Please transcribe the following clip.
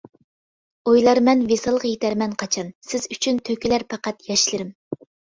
ئويلارمەن ۋىسالغا يىتەرمەن قاچان، سىز ئۈچۈن تۆكۈلەر پەقەت ياشلىرىم.